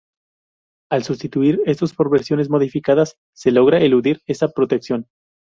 Al sustituir estos por versiones modificadas se logra eludir esa protección.